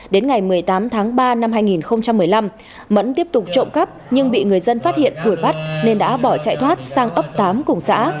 đến ngày một mươi tám tháng ba năm hai nghìn một mươi năm mẫn tiếp tục trộm cắp nhưng bị người dân phát hiện đuổi bắt nên đã bỏ chạy thoát sang ấp tám cùng xã